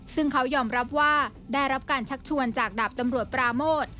ซึ่งเขายอมรับว่าได้รับการชักชวนจากดาบตำรวจปราโมท